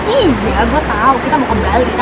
iya gue tau kita mau ke bali tanggal dua kan